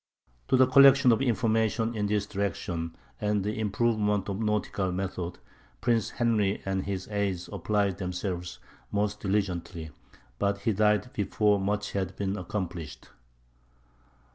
To the collection of information in this direction, and the improvement of nautical methods, Prince Henry and his aids applied themselves most diligently; but he died before much had been accomplished.